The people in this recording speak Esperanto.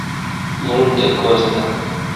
multekosta